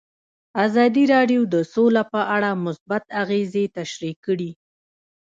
ازادي راډیو د سوله په اړه مثبت اغېزې تشریح کړي.